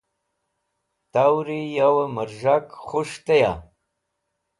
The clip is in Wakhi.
Tawri yo mẽrz̃hak khus̃h teya?